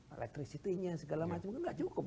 elektrisitinya segala macam itu gak cukup